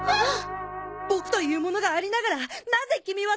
ボクというものがありながらなぜキミはそんな男と！